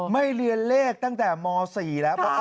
ไม่เรียนเลขตั้งแต่ม๔แล้ว